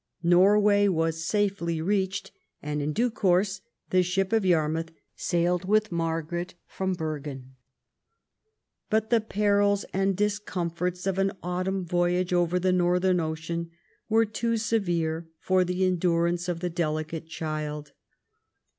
Norway was safely reached, and in due course the ship of Yarmouth sailed with Margaret from Bergen. But the perils and discomforts of an autumn voyage over the Northern Ocean were too severe for the endurance of the delicate child.